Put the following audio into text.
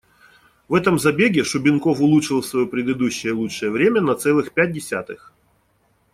В этом забеге Шубенков улучшил своё предыдущее лучшее время на целых пять десятых.